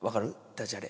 ダジャレ。